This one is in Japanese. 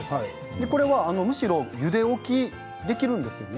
これはむしろゆで置きできるんですね。